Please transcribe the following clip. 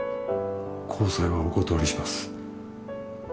交際はお断りします